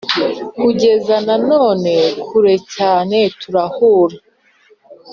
kugeza na none, kure cyane, turahura.